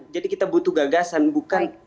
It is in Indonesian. jadi kita butuh gagasan bukan